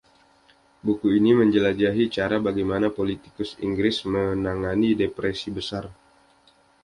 Buku ini menjelajahi cara bagaimana politikus Inggris menangani Depresi Besar.